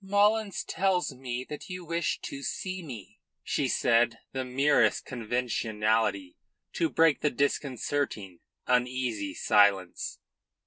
"Mullins tells me that you wish to see me," she said the merest conventionality to break the disconcerting, uneasy silence.